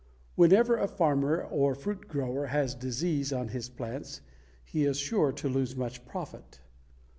Whenever a farmer or fruit grower has disease on his plants, he is sure to lose much profit.